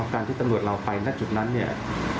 การที่ตำรวจเราไปณจุดนั้นเนี่ย